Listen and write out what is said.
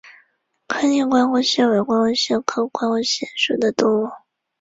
颗粒关公蟹为关公蟹科关公蟹属的动物。